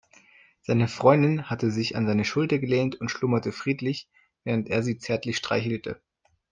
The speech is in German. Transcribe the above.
Seine Freundin hatte sich an seine Schulter gelehnt und schlummerte friedlich, während er sie zärtlich streichelte.